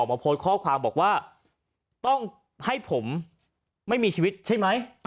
มาโพสต์ข้อความบอกว่าต้องให้ผมไม่มีชีวิตใช่ไหม